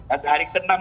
atau hari ke enam